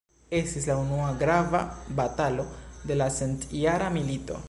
Estis la unua grava batalo de la Centjara milito.